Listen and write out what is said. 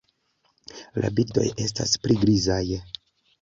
La birdoj estas pli grizaj.